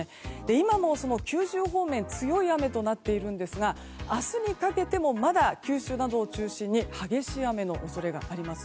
今も、九州方面強い雨となっているんですが明日にかけてもまだ九州などを中心に激しい雨の恐れがあります。